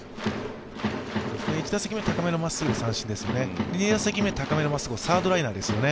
１打席目、高めのまっすぐで三振ですよね。